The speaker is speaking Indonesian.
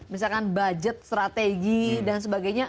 misalkan budget strategi dan sebagainya